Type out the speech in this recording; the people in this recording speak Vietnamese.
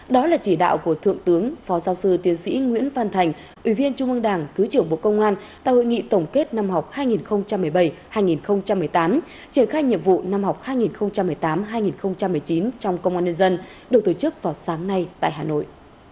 đó là chỉ đạo của thượng tướng phó giáo sư tiến sĩ nguyễn văn thành ủy viên trung ương đảng thứ trưởng bộ công an tại hội nghị tổng kết năm học hai nghìn một mươi bảy hai nghìn một mươi tám triển khai nhiệm vụ năm học hai nghìn một mươi tám hai nghìn một mươi chín trong công an nhân dân được tổ chức vào sáng nay tại hà nội